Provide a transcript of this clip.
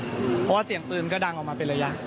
เพราะว่าเสียงปืนก็ดังออกมาเป็นระยะ